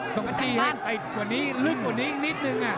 ต้องจี้ให้ลึกกว่านี้นิดนึง